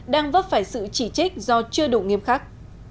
đang vấp phải sự chỉ trích do chưa đủ nghiêm khắc